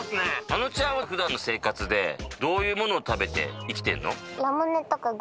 あのちゃんは普段の生活でどういうものを食べて生きてんの？